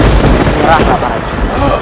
serahlah pak haji